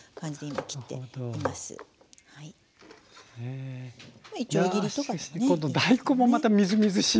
今度大根もまたみずみずしい。